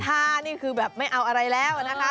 ถ้านี่คือแบบไม่เอาอะไรแล้วนะคะ